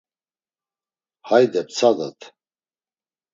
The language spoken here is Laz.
Hayde ptsadat.